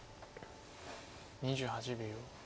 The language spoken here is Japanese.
２８秒。